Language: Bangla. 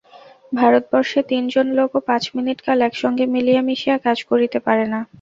ভারতবর্ষে তিন জন লোকও পাঁচ মিনিট কাল একসঙ্গে মিলিয়া মিশিয়া কাজ করিতে পারে না।